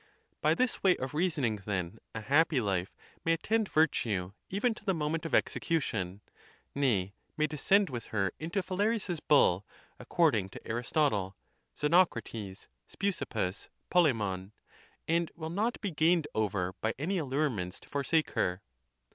By this way of reasoning, then, a happy life may attend virtue even to the moment of execution; nay, may descend with her into Phalaris's bull, according to Aristotle, Xenoc rates, Speusippus, Polemon; and will not be gained over by any allurements to forsake her.